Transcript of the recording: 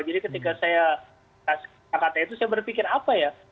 jadi ketika saya kasih kata kata itu saya berpikir apa ya